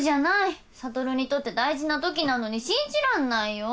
悟にとって大事なときなのに信じらんないよ。